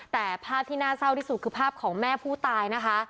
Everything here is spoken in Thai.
แต่ภาพที่น่าเศร้าที่สุดคือภาพของแม่ผู้ตายนะคะ